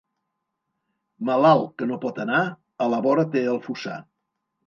Malalt que no pot anar, a la vora té el fossar.